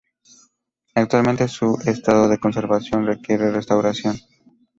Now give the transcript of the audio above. Actualmente su estado de conservación requiere restauración.